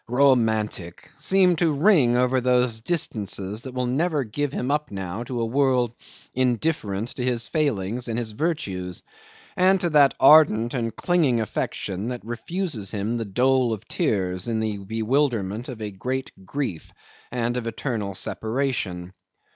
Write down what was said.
Romantic!" seem to ring over those distances that will never give him up now to a world indifferent to his failings and his virtues, and to that ardent and clinging affection that refuses him the dole of tears in the bewilderment of a great grief and of eternal separation.